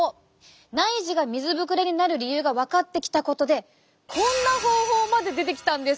内耳が水ぶくれになる理由が分かってきたことでこんな方法まで出てきたんです！